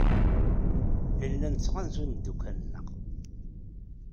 Nella nettɣanzu imeddukal-nneɣ.